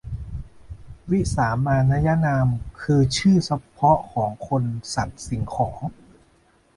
วิสามานยนาม คือชื่อเฉพาะของคน สัตว์ สิ่งของ